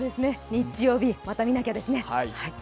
日曜日また見なきゃですね。